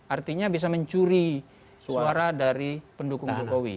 artinya bisa mencuri suara dari pendukung jokowi